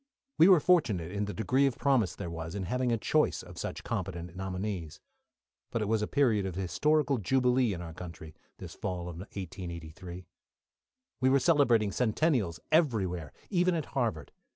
We were fortunate in the degree of promise there was, in having a choice of such competent nominees. But it was a period of historical jubilee in our country, this fall of 1883. We were celebrating centennials everywhere, even at Harvard.